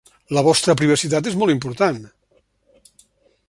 La vostra privacitat és molt important.